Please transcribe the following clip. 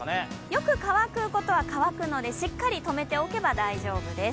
よく乾くことは乾くので、しっかりとめておけば大丈夫です。